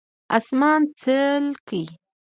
🦇 اسمان څلکي